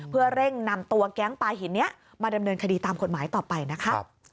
เพื่อเร่งนำตัวแก๊งปลาหินนี้มาดำเนินคดีตามกฎหมายต่อไปนะคะ